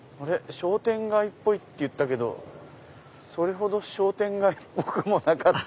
商店街っぽいって言ったけどそれほど商店街っぽくなかった。